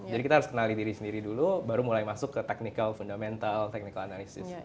jadi kita harus kenali diri sendiri dulu baru mulai masuk ke technical fundamental technical analysis